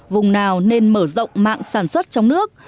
vùng nào nên mở rộng mạng sản xuất trong nước